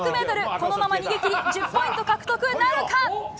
このまま逃げ切り１０ポイント獲得なるか？